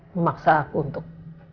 memaksa aku untuk